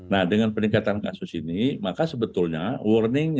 nah dengan peningkatan kasus ini maka sebetulnya warningnya